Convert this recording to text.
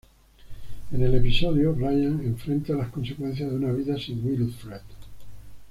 En el episodio, Ryan enfrenta las consecuencias de una vida sin Wilfred.